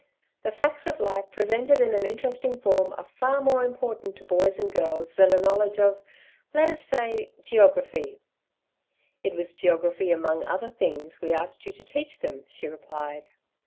"The facts of life presented in an interesting form are far more important to boys and girls than a knowledge of let us say geography." "It was geography, among other things, we asked you to teach them," she replied.